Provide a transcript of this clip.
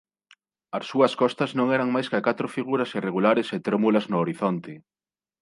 As súas costas non eran máis ca catro figuras irregulares e trémulas no horizonte.